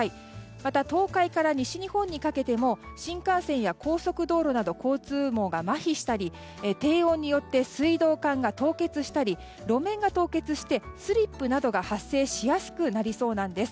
また、東海から西日本にかけても新幹線や高速道路など交通網がまひしたり低温によって水道管が凍結したり路面が凍結してスリップなどが発生しやすくなりそうなんです。